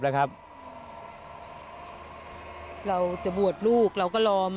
ไม่อยากให้มองแบบนั้นจบดราม่าสักทีได้ไหม